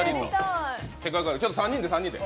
３人で３人で。